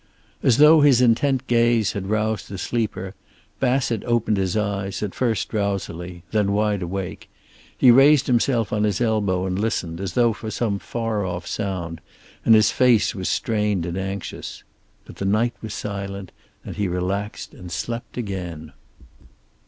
As though his intent gaze had roused the sleeper, Bassett opened his eyes, at first drowsily, then wide awake. He raised himself on his elbow and listened, as though for some far off sound, and his face was strained and anxious. But the night was silent, and he relaxed and slept again.